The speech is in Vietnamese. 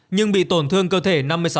nhưng bị tổn thương cơ thể năm mươi sáu